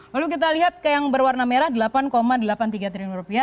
lalu kita lihat ke yang berwarna merah delapan delapan puluh tiga triliun rupiah